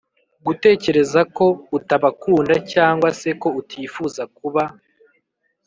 gutekereza ko utabakunda cyangwa se ko utifuza kuba